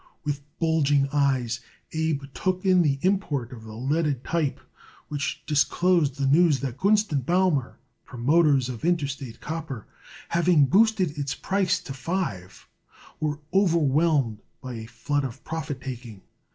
With bulging eyes Abe took in the import of the leaded type which disclosed the news that Gunst & Baumer, promoters of Interstate Copper, having boosted its price to five, were overwhelmed by a flood of profit taking.